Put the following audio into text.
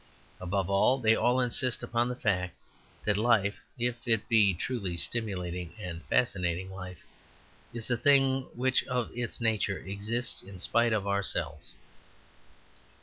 Above all, they all insist upon the fact that life, if it be a truly stimulating and fascinating life, is a thing which, of its nature, exists in spite of ourselves.